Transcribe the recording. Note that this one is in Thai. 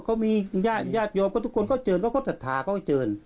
ก็มีญาติโยมทุกคนเขาเจินเขาสัตว์ภาคเขาเจิน